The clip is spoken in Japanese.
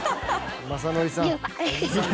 「雅紀さん」